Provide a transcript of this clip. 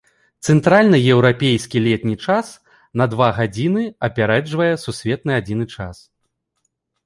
Цэнтральнаеўрапейскі летні час на два гадзіны апярэджвае сусветны адзіны час.